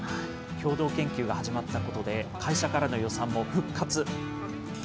共同研究が始まったことで、会社からの予算も復活。